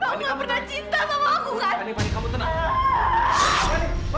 aku gak pernah cinta sama aku kan